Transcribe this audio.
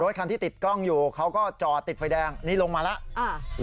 คันที่ติดกล้องอยู่เขาก็จอดติดไฟแดงนี่ลงมาแล้ว